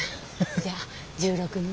じゃあ１６日。